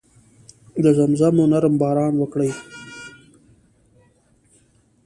د زمزمو نرم باران وکړي